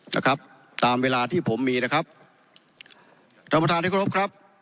นะครับตามเวลาที่ผมมีนะครับท่านประธานที่เคารพครับ